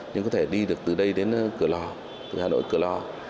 nhưng có thể đi được từ đây đến cửa lò từ hà nội cửa lò